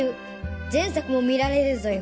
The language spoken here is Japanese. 前作も見られるぞよ